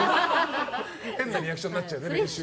変なリアクションになっちゃうね。